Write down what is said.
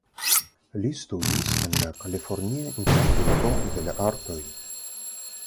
Li studis en la Kalifornia Instituto de la Artoj.